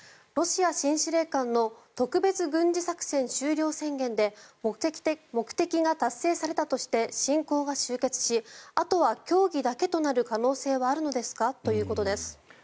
ロシア新司令官の特別軍事作戦終了宣言で目的が達成されたとして侵攻が終結しあとは協議だけとなる可能性はあるのですか？ということです。